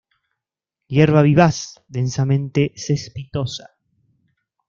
Hierba vivaz, densamente cespitosa.